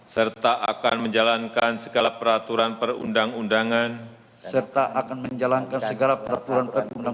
serta akan menjalankan segala peraturan perundang undangan